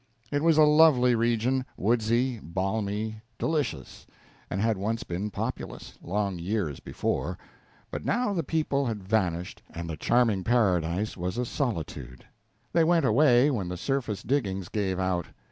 It was a lovely region, woodsy, balmy, delicious, and had once been populous, long years before, but now the people had vanished and the charming paradise was a solitude. They went away when the surface diggings gave out.